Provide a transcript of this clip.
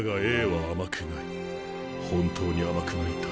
本当に甘くないんだ。